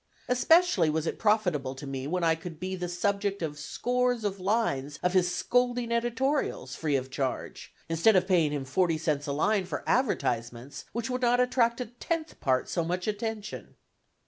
Especially was it profitable to me when I could be the subject of scores of lines of his scolding editorials free of charge, instead of paying him forty cents a line for advertisements, which would not attract a tenth part so much attention.